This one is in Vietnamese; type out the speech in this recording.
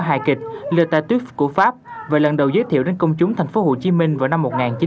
hài kịch le tatuif của pháp và lần đầu giới thiệu đến công chúng thành phố hồ chí minh vào năm một nghìn chín trăm chín mươi tám